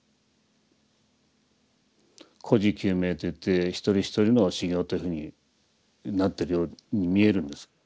「己事究明」といって一人一人の修行というふうになってるように見えるんです。